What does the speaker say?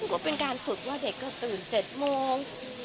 ก็เป็นการฝึกว่าเด็กก็ตื่น๗โมง